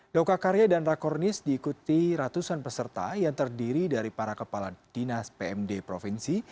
doka karya dan rakornis diikuti ratusan peserta yang terdiri dari para kepala dinas pmd provinsi